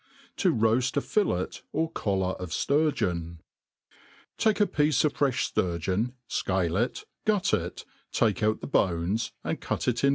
To roa/f a Fillet or Collar of Sturgeon •; TAKE a piece of frefli' fturgeon, fcalc.it, gut it, take out the bones, and cut it in.